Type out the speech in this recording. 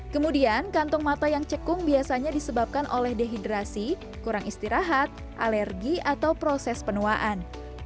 kemudian kantong mata yang cekung biasanya disebabkan oleh dehidrasi kurang istirahat alergi atau proses penuaan